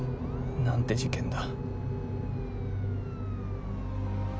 何て事件だ。